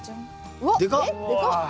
うわ！えっでかっ。